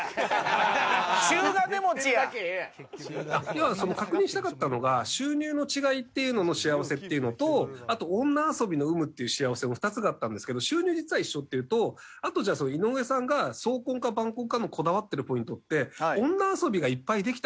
要は確認したかったのが収入の違いっていうのの幸せっていうのとあと女遊びの有無っていう幸せの２つがあったんですけど収入実は一緒っていうとあとじゃあ井上さんが早婚か晩婚かのこだわってるポイントって。